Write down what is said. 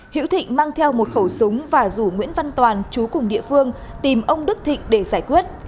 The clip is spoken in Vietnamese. hiễu thịnh mang theo một khẩu súng và rủ nguyễn văn toàn chú cùng địa phương tìm ông đức thịnh để giải quyết